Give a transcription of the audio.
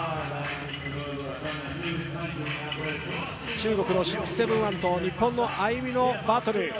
中国の６７１と日本のＡＹＵＭＩのバトル。